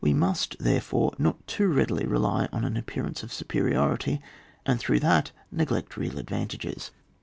We must, therefore, not too readily rely on an appearance of supe riority, and through that neglect real advantages.